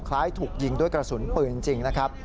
คล้ายถูกยิงด้วยกระสุนปืนจริงนะครับ